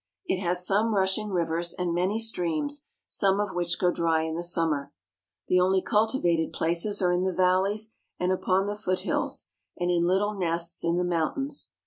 It has some rushing rivers and many streams, some of which go dry in the summer. The only cultivated places are in the valleys and upon the foothills, and in Uttle nests in the mountains.